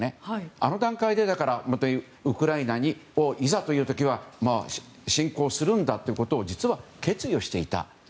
あの段階で、ウクライナをいざという時は侵攻するんだということを実は決意をしていた。